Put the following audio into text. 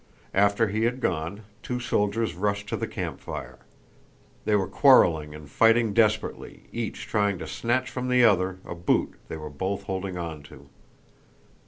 After he had gone, two soldiers rushed to the campfire. They were quarreling and fighting desperately, each trying to snatch from the other a boot they were both holding on to.